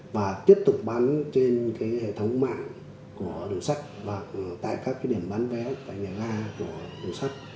và tiếp tục bán trên hệ thống mạng của đường sắt và tại các điểm bán vé tại nhà ga của đường sắt